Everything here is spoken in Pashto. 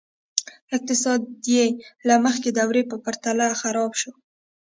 اقتصاد یې له مخکې دورې په پرتله خراب شو.